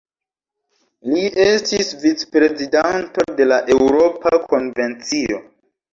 Li estis vicprezidanto de la Eŭropa Konvencio.